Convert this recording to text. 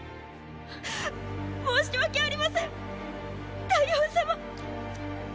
申し訳ありません大王様。